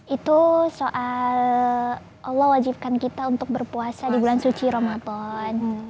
itu soal allah wajibkan kita untuk berpuasa di bulan suci ramadan